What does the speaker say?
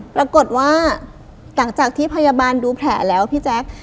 ปรากฏว่าหลังจากที่พยาบาลดูแผลแล้วพี่แจ๊ค